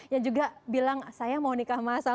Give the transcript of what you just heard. yang juga bilang saya mau nikah masal